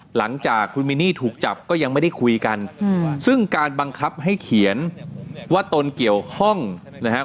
หลังจากคุณมินนี่ถูกจับก็ยังไม่ได้คุยกันซึ่งการบังคับให้เขียนว่าตนเกี่ยวข้องนะครับ